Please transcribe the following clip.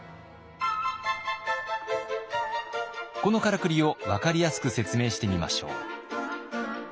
このカラクリを分かりやすく説明してみましょう。